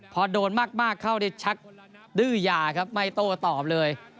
พอโดนมากมากเข้าที่ชักดื้อหย่าครับไม่โตตอบเลย